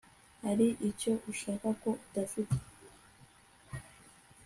hari icyo ushaka ko udafite